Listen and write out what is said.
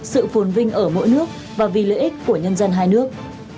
sự phồn vinh ở mỗi nước và vì lợi ích của nhân dân hai nước